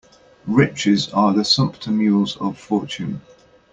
Riches are the sumpter mules of fortune.